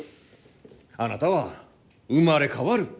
あなたは生まれ変わる！